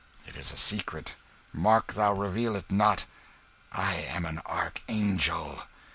"It is a secret mark thou reveal it not. I am an archangel!"